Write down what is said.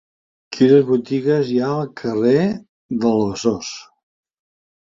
Quines botigues hi ha al carrer del Besòs?